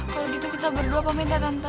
kalau gitu kita berdua pamit ya tante